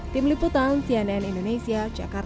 tim liputan cnn indonesia jakarta